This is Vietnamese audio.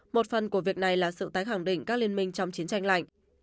một phần của việc này là sự tái khẳng định các liên minh trong chiến tranh lạnh